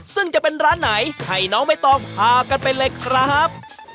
ซึ่งจะเป็นร้านไหนให้น้องใบตองพากันไปเลยครับ